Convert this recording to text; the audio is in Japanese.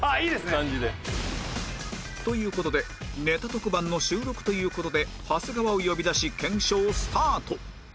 という事でネタ特番の収録という事で長谷川を呼び出し検証スタート